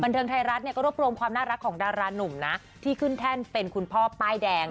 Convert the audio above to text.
เทิงไทยรัฐเนี่ยก็รวบรวมความน่ารักของดารานุ่มนะที่ขึ้นแท่นเป็นคุณพ่อป้ายแดง